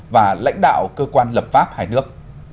và lãnh đạo cơ quan lập pháp hai nước